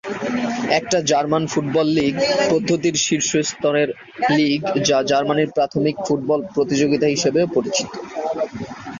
এটি German football league পদ্ধতির শীর্ষ স্তরের লীগ, যা জার্মানির প্রাথমিক ফুটবল প্রতিযোগিতা হিসেবেও পরিচিত।